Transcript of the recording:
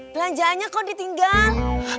peranjaannya kok ditinggal